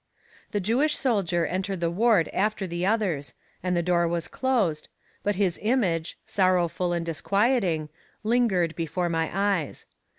The Jewish soldier entered the ward after the others, and the door was closed, but his image, sorrowful and disquieting, lingered before my eyes.